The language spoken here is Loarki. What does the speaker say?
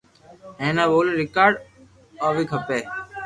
ھين آ ٻولي رآڪارذ ۔ آوي کپي